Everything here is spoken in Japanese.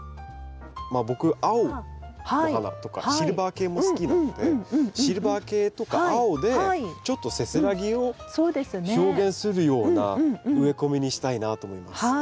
僕青の花とかシルバー系も好きなのでシルバー系とか青でちょっとせせらぎを表現するような植え込みにしたいなと思います。